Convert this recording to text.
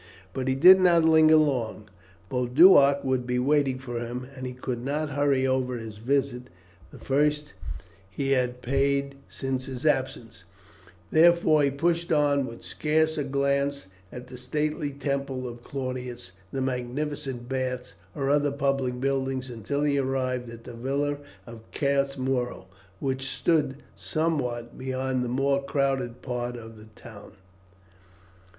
But he did not linger long. Boduoc would be waiting for him, and he could not hurry over his visit, the first he had paid since his absence; therefore he pushed on, with scarce a glance at the stately temple of Claudius, the magnificent baths or other public buildings, until he arrived at the villa of Caius Muro, which stood somewhat beyond the more crowded part of the town.